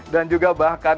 dan juga bahkan